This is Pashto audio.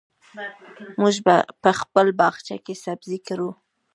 موږ په خپل باغچه کې سبزي کرو.